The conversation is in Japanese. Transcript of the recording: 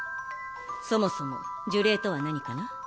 そもそも呪霊とは何かな？